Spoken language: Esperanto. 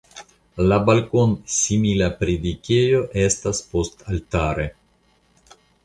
La balkonsimila predikejo estis postaltare.